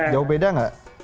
jauh beda nggak